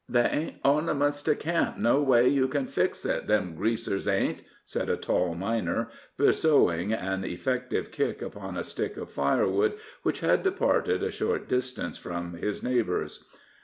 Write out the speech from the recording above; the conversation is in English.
"They ain't ornaments to camp, no way you can fix it, them Greasers ain't," said a tall miner, bestowing an effective kick upon a stick of firewood, which had departed a short distance from his neighbors.